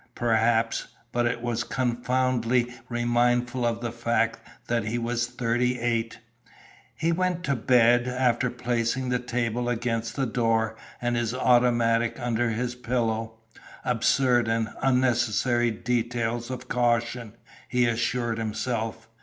Perhaps but it was confoundedly remindful of the fact that he was thirty eight! He went to bed, after placing the table against the door, and his automatic under his pillow absurd and unnecessary details of caution, he assured himself.